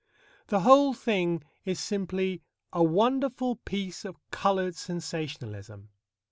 The whole thing is simply a wonderful piece of coloured sensationalism.